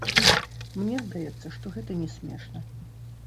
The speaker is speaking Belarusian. Мне здаецца, што гэта не смешна.